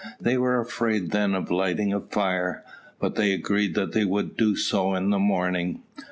They were afraid then of lighting a fire, but they agreed that they would do so in the morning.